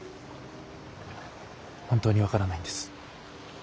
本当に分からないんです。